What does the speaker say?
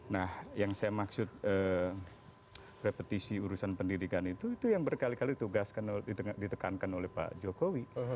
nah yang saya maksud repetisi urusan pendidikan itu itu yang berkali kali ditekankan oleh pak jokowi